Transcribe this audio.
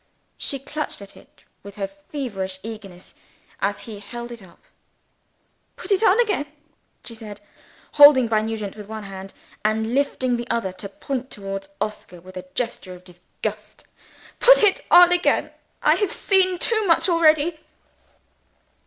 She clutched at it with feverish eagerness as he held it up. "Put it on again!" she said, holding by Nugent with one hand, and lifting the other to point towards Oscar with a gesture of disgust. "Put it on again. I have seen too much already."